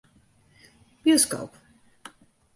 Bioskoop.